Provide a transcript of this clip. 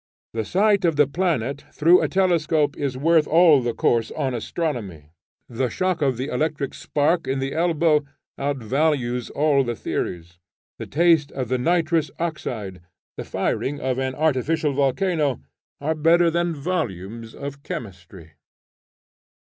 The sight of the planet through a telescope is worth all the course on astronomy; the shock of the electric spark in the elbow, outvalues all the theories; the taste of the nitrous oxide, the firing of an artificial volcano, are better than volumes of chemistry.